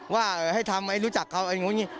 ว่าให้ทำให้รู้จักเขาอะไรอย่างงี้